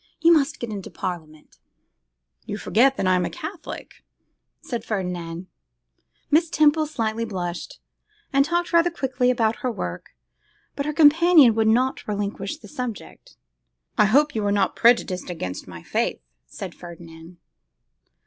You must get into parliament.' 'You forget that I am a Catholic,' said Ferdinand. Miss Temple slightly blushed, and talked rather quickly about her work; but her companion would not relinquish the subject. 'I hope you are not prejudiced against my faith,' said Ferdinand.